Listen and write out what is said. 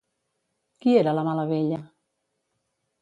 Qui era la Malavella?